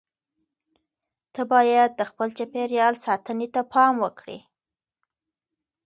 ته باید د خپل چاپیریال ساتنې ته پام وکړې.